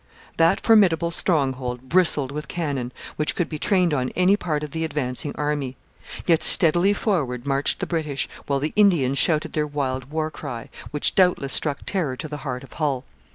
That formidable stronghold bristled with cannon, which could be trained on any part of the advancing army. Yet steadily forward marched the British, while the Indians shouted their wild war cry, which doubtless struck terror to the heart of Hull.